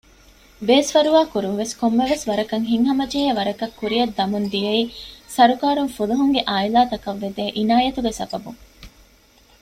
ބޭސްފަރުވާ ކުރުންވެސް ކޮންމެވެސް ވަރަކަށް ހިތްހަމަޖެހޭވަރަކަށް ކުރިއަށް ދަމުން ދިޔައީ ސަރުކާރުން ފުލުހުންގެ އާއިލާތަކަށް ވެދޭ އިނާޔަތުގެ ސަބަބުން